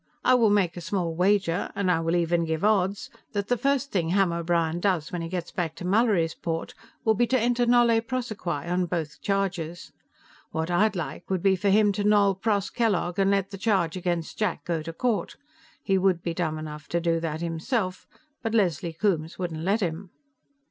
I will make a small wager, and I will even give odds, that the first thing Ham O'Brien does when he gets back to Mallorysport will be to enter nolle prosequi on both charges. What I'd like would be for him to nol. pros. Kellogg and let the charge against Jack go to court. He would be dumb enough to do that himself, but Leslie Coombes wouldn't let him."